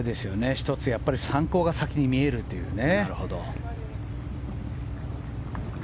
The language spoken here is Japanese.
１つ、参考が先に見えるというね。